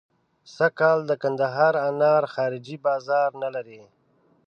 سږکال د کندهار انار خارجي بازار نه لري.